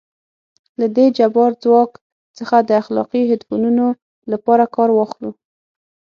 له دې جبار ځواک څخه د اخلاقي هدفونو لپاره کار واخلو.